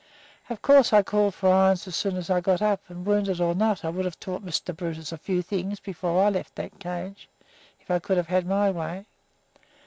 Of course I called for irons as soon as I got up, and, wounded or not, I would have taught Mr. Brutus a few things before I left that cage if I could have had my way.